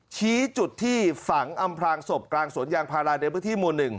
ชี้จุดที่ฝังอำพลางศพกลางสวนยางพาราในพื้นที่หมู่๑